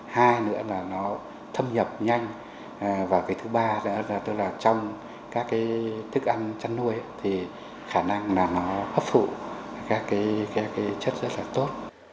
hai nữa là nó thâm nhập nhanh và cái thứ ba là trong các cái thức ăn chăn nuôi thì khả năng là nó hấp phụ các cái chất rất là tốt